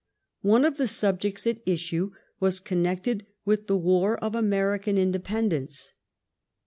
One of the subjects at issue was connected with the war of American inde pendence.